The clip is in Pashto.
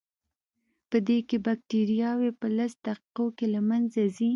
پدې کې بکټریاوې په لسو دقیقو کې له منځه ځي.